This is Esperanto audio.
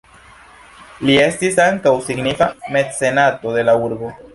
Li estis ankaŭ signifa mecenato de la urbo.